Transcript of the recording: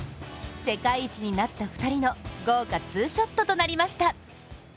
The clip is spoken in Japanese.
世界一になった２人の豪華ツーショットとなりました。